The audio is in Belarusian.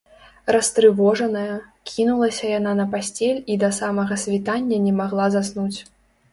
Растрывожаная, кінулася яна на пасцель і да самага світання не магла заснуць.